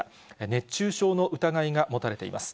熱中症の疑いが持たれています。